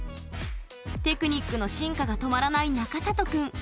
テクニックの進化が止まらない中里くん。